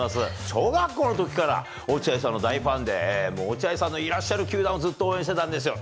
小学校のときから落合さんの大ファンで、落合さんのいらっしゃる球団をずっと応援してたんですよ。